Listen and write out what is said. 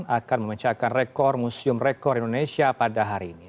akan memencahkan rekor musium rekor indonesia pada hari ini